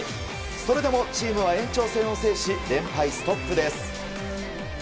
それでもチームは延長戦を制し連敗ストップです。